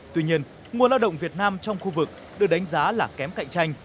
tuy nhiên nguồn lao động việt nam trong khu vực được đánh giá là kém cạnh tranh